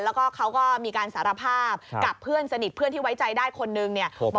แล้วก็เขาก็มีการสารภาพกับเพื่อนสนิทเพื่อนที่ไว้ใจได้คนนึงเนี่ย